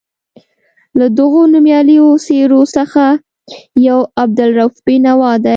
له دغو نومیالیو څېرو څخه یو عبدالرؤف بېنوا دی.